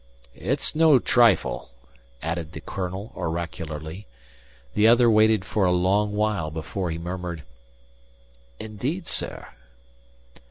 "It's no trifle," added the colonel oracularly. The other waited for a long while before he murmured: "Indeed, sir!"